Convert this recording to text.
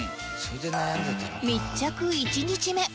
密着１日目